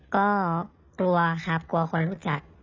ก็กลัวครับกลัวคนรู้จัก